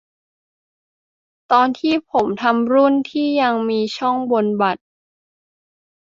ตอนที่ผมทำรุ่นที่ยังมีช่องบนบัตร